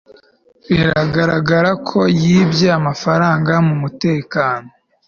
biragaragara ko yibye amafaranga mumutekano